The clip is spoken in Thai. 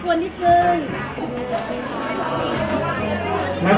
โปรดติดตามต่อไป